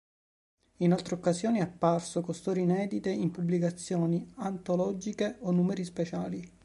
In altre occasioni è apparso con storie inedite in pubblicazioni antologiche o numeri speciali.